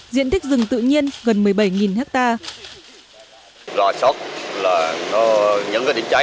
diện tích rừng tự nhiên gần một mươi bảy hectare